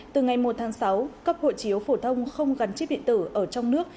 từ ngày một tháng sáu cấp hộ chiếu phổ thông không gắn chip điện tử ở trong nước